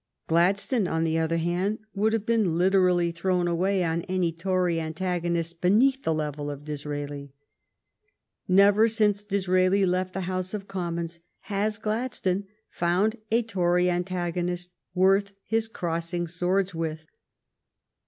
Gladstone, on the other hand, would have been literally thrown away on any Tory antagonist beneath the level of Disraeli. Never since Disraeli left the House of Commons has Gladstone found a Tory antagonist worth his crossing swords with.